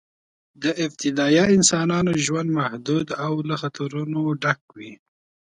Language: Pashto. د ابتدایي انسانانو ژوند محدود او له خطرونو ډک و.